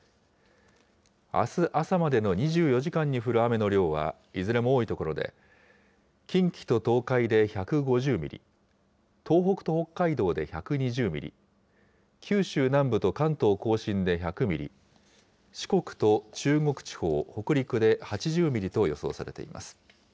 あす朝までの２４時間に降る雨の量は、いずれも多い所で、近畿と東海で１５０ミリ、東北と北海道で１２０ミリ、九州南部と関東甲信で１００ミリ、四国と中国地方、北陸で８０ミリと予想されています。